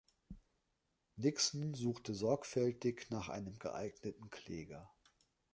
Nixon suchte sorgfältig nach einem geeigneten Kläger.